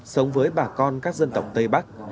sống với bà con các dân tộc tây bắc